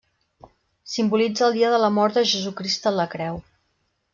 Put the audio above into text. Simbolitza el dia de la mort de Jesucrist en la Creu.